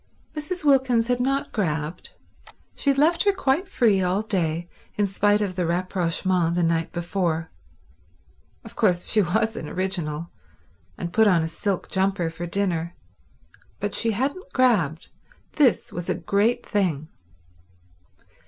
Mrs. Wilkins had not grabbed, she had left her quite free all day in spite of the rapprochement the night before. Of course she was an original, and put on a silk jumper for dinner, but she hadn't grabbed. This was a great thing.